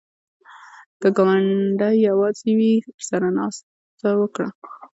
که ګاونډی یواځې وي، ورسره ناسته وکړه